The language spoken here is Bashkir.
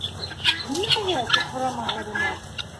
«Нимәгә?» - тип һораманы Ғәлимә.